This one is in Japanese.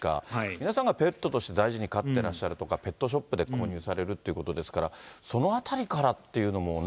皆さんがペットとして大事に飼ってらっしゃるとか、ペットショップで購入されるってことですから、そのあたりからっていうのもね。